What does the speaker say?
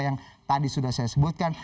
yang tadi sudah saya sebutkan